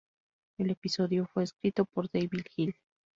El episodio fue escrito por Dave Hill.